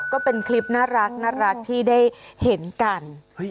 ก็เป็นคลิปน่ารักที่ได้เห็นกัน